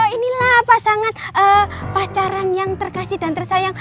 inilah pasangan pacaran yang terkasih dan tersayang